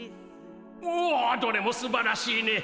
おおどれもすばらしいね。